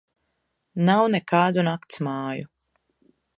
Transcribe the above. Nav nekādu naktsmāju.